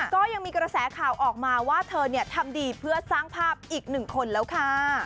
ก็ยังมีกระแสข่าวออกมาว่าเธอทำดีเพื่อสร้างภาพอีกหนึ่งคนแล้วค่ะ